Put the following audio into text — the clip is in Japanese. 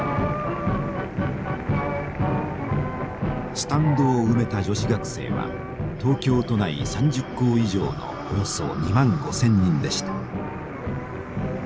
スタンドを埋めた女子学生は東京都内３０校以上のおよそ２万５，０００人でした。